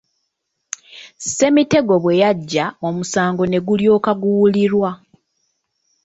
Ssemitego bwe yajja omusango ne gulyoka guwulirwa.